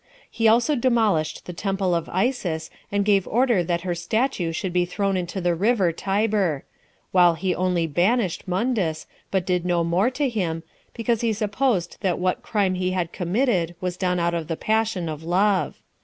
He also demolished the temple of Isis, and gave order that her statue should be thrown into the river Tiber; while he only banished Mundus, but did no more to him, because he supposed that what crime he had committed was done out of the passion of love.